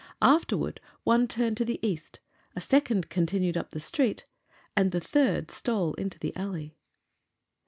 Afterward one turned to the east, a second continued up the street, and the third stole into the alley.